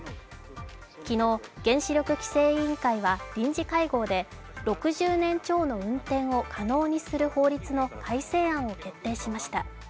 昨日、原子力規制委員会は臨時会合で６０年超の運転を可能にする法律の改正案を決定しました。